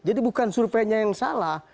jadi bukan surveinya yang salah